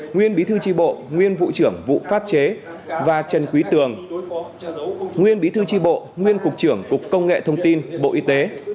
nguyên bí thư tri bộ nguyên vụ trưởng vụ pháp chế và trần quý tường nguyên bí thư tri bộ nguyên cục trưởng cục công nghệ thông tin bộ y tế